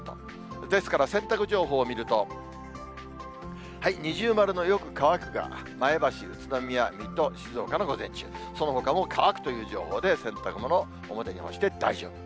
ですから、洗濯情報を見ると、二重丸のよく乾くが前橋、宇都宮、水戸、静岡の午前中、そのほかも乾くという情報で、洗濯物、表に干して大丈夫。